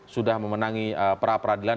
sudah memenangi perapradilan